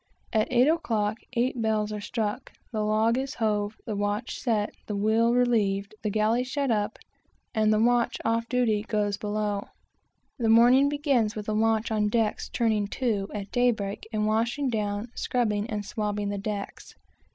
At eight o'clock, eight bells are struck, the log is hove, the watch set, the wheel relieved, the galley shut up, and the other watch goes below. The morning commences with the watch on deck's "turning to" at day break and washing down, scrubbing, and swabbing the decks.